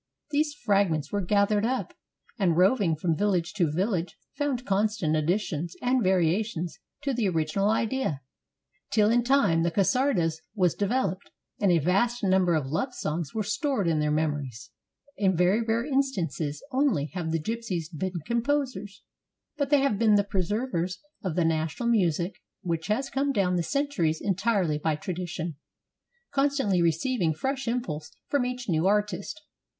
These fragments they gathered up, and roving from village to village found constant additions and variations to the original idea, till in time the csardas was developed and a vast number of love songs were stored in their mem ories. In very rare instances only have the gypsies been composers, but they have been the preservers of the national music which has come down the centuries en tirely by tradition, constantly receiving fresh impulse from each new artist.